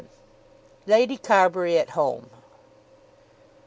LADY CARBURY AT HOME.